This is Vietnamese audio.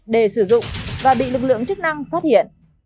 để sử dụng và bị lực lượng chức năng phát hiện